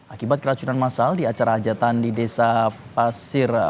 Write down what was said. akibat keracunan masal di acara hajatan di desa pasir